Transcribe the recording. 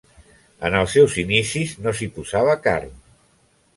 En els seus inicis no s'hi posava carn.